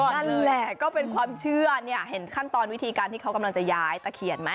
นั่นแหละก็เป็นความเชื่อเนี่ยเห็นขั้นตอนวิธีการที่เขากำลังจะย้ายตะเขียนไหม